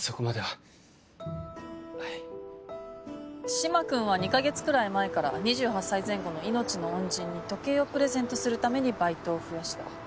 嶋君は２カ月くらい前から２８歳前後の命の恩人に時計をプレゼントするためにバイトを増やした。